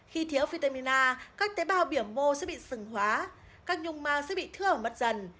khi thiếu vitamin a các tế bào biển mô sẽ bị sừng hóa các nhung ma sẽ bị thưa ở mất dần